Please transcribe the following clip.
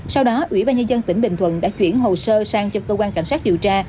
sau đó ủy ban nhân dân tỉnh bình thuận đã chuyển hồ sơ sang cho cơ quan cảnh sát điều tra